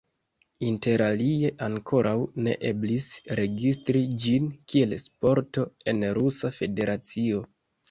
Interalie ankoraŭ ne eblis registri ĝin kiel sporto en Rusa Federacio.